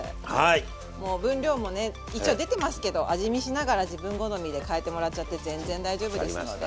もう分量もね一応出てますけど味見しながら自分好みで変えてもらっちゃって全然大丈夫ですのではい。